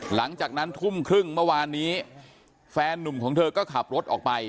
หลังจากนั้นทุ่มครึ่งเมื่อวานนี้แฟนนุ่มของเธอก็ขับรถออกไป